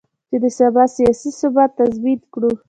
چې د سبا سیاسي ثبات تضمین کړو.